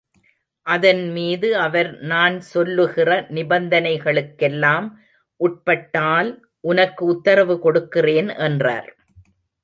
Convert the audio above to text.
அதன்மீது அவர் நான் சொல்லுகிற நிபந்தனைகளுக்கெல்லாம் உட்பட்டால் உனக்கு உத்தரவு கொடுக்கிறேன் என்றார்.